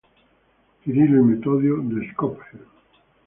Cirilo y Metodio“ de Skopje.